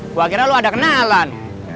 gue kira lo ada kenalan